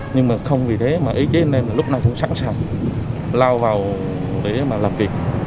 nhưng mà không vì thế mà ý chế nên là lúc nào cũng sẵn sàng lao vào để mà làm việc